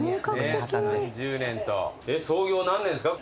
創業何年ですか？